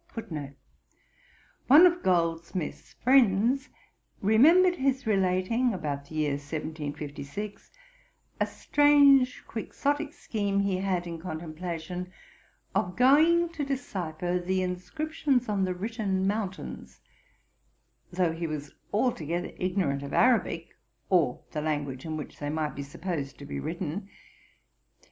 197. One of Goldsmith's friends 'remembered his relating [about the year 1756] a strange Quixotic scheme he had in contemplation of going to decipher the inscriptions on the written mountains, though he was altogether ignorant of Arabic, or the language in which they might be supposed to be written.'